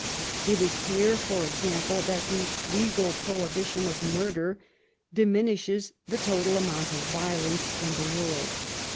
It is clear, for example, that the legal prohibition of murder diminishes the total amount of violence in the world.